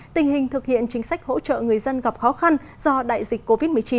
tình hình thực hiện chính sách hỗ trợ người dân gặp khó khăn do đại dịch covid một mươi chín